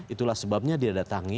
itulah sebabnya dia datangi